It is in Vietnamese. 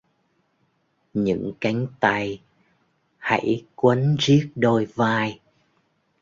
Những cánh tay! Hãy quấn riết đôi vai!